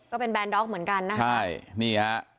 ก็เป็นแบนดอกเหมือนกันนะใช่นี่ฮะ